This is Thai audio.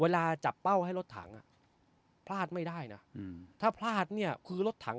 เวลาจับเป้าให้รถถังอ่ะพลาดไม่ได้นะถ้าพลาดเนี่ยคือรถถัง